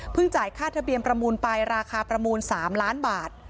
จ่ายค่าทะเบียนประมูลไปราคาประมูล๓ล้านบาท